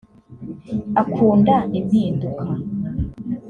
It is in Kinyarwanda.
Akunda impinduka